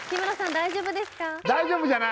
大丈夫ですか？